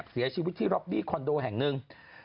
เสียชีวิตที่ล็อบบี้คอนโดแห่งหนึ่ง